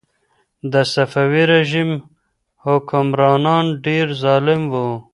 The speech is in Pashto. د صفوي رژیم حکمرانان ډېر ظالم وو.